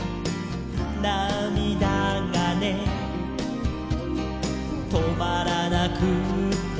「なみだがねとまらなくって」